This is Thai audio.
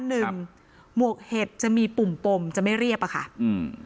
หมวกเห็ดจะมีปุ่มปมจะไม่เรียบอ่ะค่ะอืม